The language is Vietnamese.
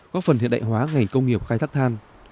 góp phần hiện đại hóa ngành công nghiệp khai thác than